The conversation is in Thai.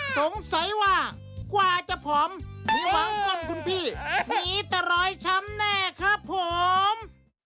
สงสัยว่ากว่าจะผอมมีวางต้นคุณพี่มีแต่รอยช้ำแน่ครับผม